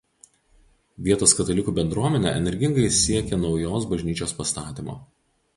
Vietos katalikų bendruomenė energingai siekė naujos bažnyčios pastatymo.